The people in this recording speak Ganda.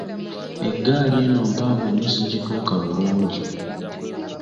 Egaali eno mpanvu nnyo sigituuka bulungi.